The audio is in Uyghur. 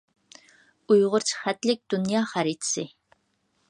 ئۇيغۇرچە خەتلىك دۇنيا خەرىتىسى.